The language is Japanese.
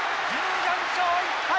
１４勝１敗。